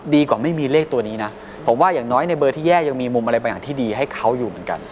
ดีกว่าไม่มีเลขตัวนี้นะผมว่าอย่างน้อยในเบอร์ที่แยกยังมีมุมอะไรบางอย่างที่ดีให้เขาอยู่เหมือนกัน